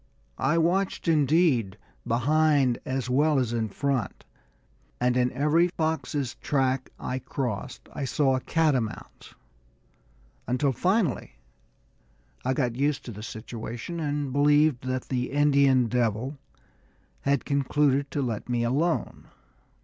I watched indeed behind as well as in front, and in every fox's track I crossed I saw a catamount's, until finally I got used to the situation, and believed that the "Indian devil" had concluded to let me alone.